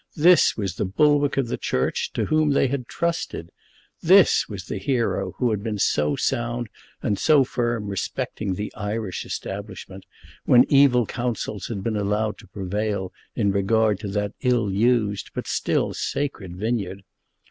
This was the bulwark of the Church, to whom they had trusted! This was the hero who had been so sound and so firm respecting the Irish Establishment, when evil counsels had been allowed to prevail in regard to that ill used but still sacred vineyard!